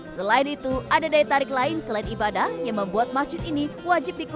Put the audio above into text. selain itu ada daya tarik lain selain ibadah yang membuat masjid ini wajib